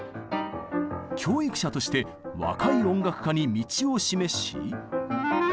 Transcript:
教育者として若い音楽家に道を示し。